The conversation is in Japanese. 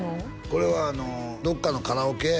これはどっかのカラオケ屋